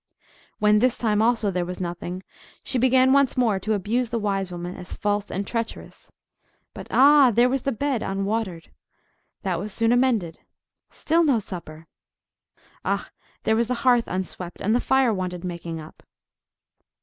When this time also there was nothing, she began once more to abuse the wise woman as false and treacherous;—but ah! there was the bed unwatered! That was soon amended.—Still no supper! Ah! there was the hearth unswept, and the fire wanted making up!